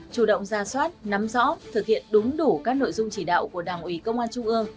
chủ động ra soát nắm rõ thực hiện đúng đủ các nội dung chỉ đạo của đảng ủy công an trung ương